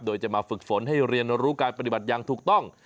โดยจะมาฝึกฝนให้เรียนรู้การปฏิบัติอย่างถูกต้อง